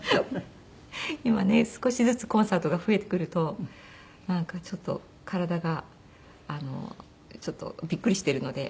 今ね少しずつコンサートが増えてくるとなんかちょっと体がびっくりしているので。